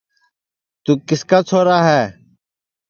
توں کِس کا چھورا ہے